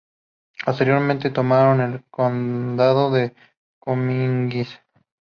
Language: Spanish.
Posteriormente tomaron el condado de Cominges.